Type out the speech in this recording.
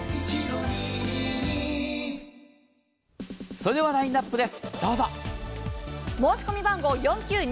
それではラインナップです。